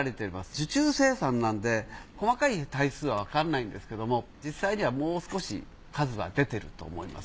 受注生産なので細かい体数はわからないんですけども実際にはもう少し数は出てると思います。